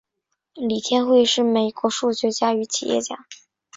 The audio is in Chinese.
李天惠是美国数学家与企业家。